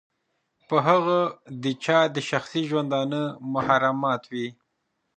چې هغه د چا د شخصي ژوندانه محرمات وي.